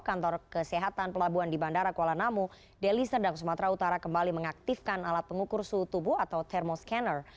kantor kesehatan pelabuhan di bandara kuala namu deli serdang sumatera utara kembali mengaktifkan alat pengukur suhu tubuh atau thermoscanner